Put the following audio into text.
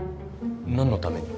何のために？